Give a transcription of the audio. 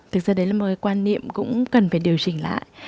thực ra đấy là mời quan niệm cũng cần phải điều chỉnh lại